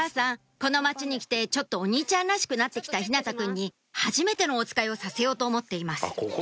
この街に来てちょっとお兄ちゃんらしくなって来た日向汰くんにはじめてのおつかいをさせようと思っています